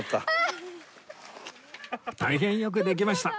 大変よくできました